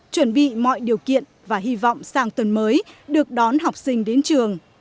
chuẩn bị mọi điều kiện và hy vọng sang tuần mới được đón học sinh đến trường